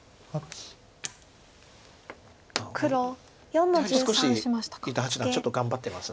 やはり少し伊田八段ちょっと頑張ってます。